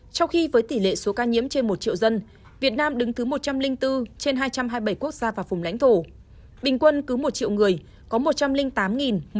trong khi với tỷ lệ số ca nhiễm trên một triệu dân việt nam đứng thứ một trăm linh bốn trên hai trăm hai mươi bảy quốc gia và vùng lãnh thổ bình quân cứ một triệu người có một trăm linh tám một trăm bốn mươi chín ca nhiễm